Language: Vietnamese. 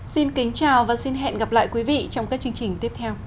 xin kính chào và xin hẹn gặp lại quý vị trong các chương trình tiếp theo